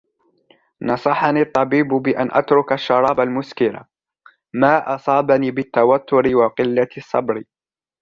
نصحني الطبيب بأن أترك الشراب المُسْكِر ، ما أصابني بالتوتر وقلة الصبر.